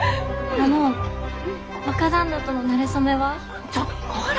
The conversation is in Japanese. あの若旦那とのなれ初めは？ちょこら！